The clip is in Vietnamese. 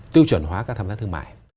tiêu chuẩn hóa các tham gia thương mại